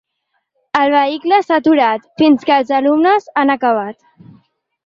El vehicle s’ha aturat fins que els alumnes han acabat.